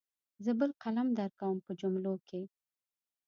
زه بل قلم درکوم په جملو کې.